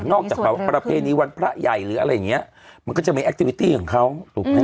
นอกจากพระเภณีวัลพระใหญ่หรืออะไรเงี้ยมันก็จะมีของเขาถูกไหมน่ะ